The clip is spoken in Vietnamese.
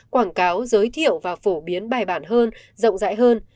quảng cáo giới thiệu và phổ biến bài bản hơn rộng rãi hơn